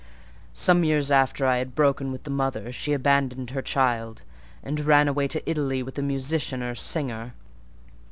Some years after I had broken with the mother, she abandoned her child, and ran away to Italy with a musician or singer.